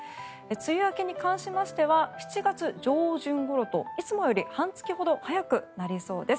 梅雨明けに関しては７月上旬ごろといつもより半月ほど早くなりそうです。